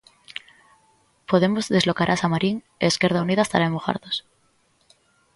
Podemos deslocarase a Marín e Esquerda Unida estará en Mugardos.